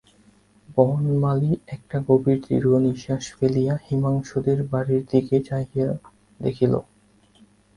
বনমালী একটা গভীর দীর্ঘনিশ্বাস ফেলিয়া হিমাংশুদের বাড়ির দিকে চাহিয়া দেখিল।